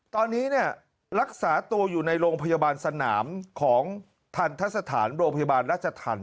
ตอนนี้เนี่ยรักษาตัวอยู่ในโรงพยาบาลสนามของทันทสถานโรงพยาบาลราชธรรม